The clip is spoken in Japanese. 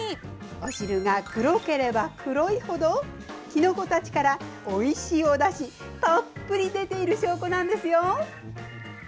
お汁が黒ければ黒いほどきのこたちから、おいしいおだしたっぷり出ている証拠なんですよ。